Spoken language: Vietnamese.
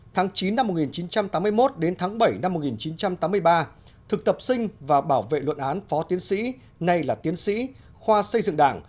tháng chín năm một nghìn chín trăm tám mươi một đến tháng bảy năm một nghìn chín trăm tám mươi ba thực tập sinh và bảo vệ luận án phó tiến sĩ nay là tiến sĩ khoa xây dựng đảng